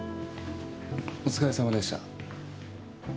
お疲れさまでした。